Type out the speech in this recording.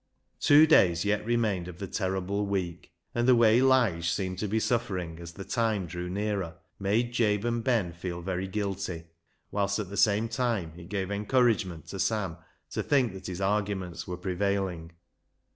Two days yet remained of the terrible week, and the way Lige seemed to be suffering as the time drew nearer made Jabe and Ben feel very guilty, whilst at the same time it gave en couragement to Sam to think that his arguments were prevailing.